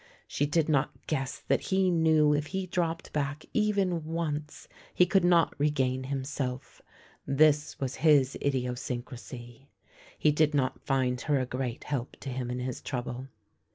She did not guess that he knew if he dropped back even once he could not regain himself: this was his idiosyncrasy. He did not find her a great help to him in his trouble.